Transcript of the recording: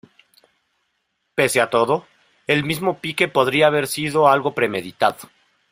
Pese a todo, el mismo pique podría haber sido algo premeditado.